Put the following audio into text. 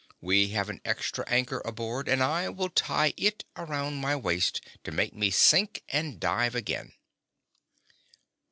We have an extra anchor aboard, and I will tie it around my waist, to make me sink, and dive again."